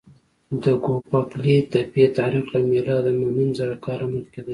د ګوبک لي تپې تاریخ له میلاده نههنیمزره کاله مخکې دی.